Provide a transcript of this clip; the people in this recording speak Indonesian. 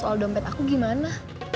soal dompet aku gimana